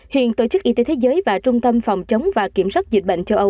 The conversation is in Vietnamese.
hiện tổ chức y tế thế giới và trung tâm phòng chống và kiểm soát dịch bệnh châu âu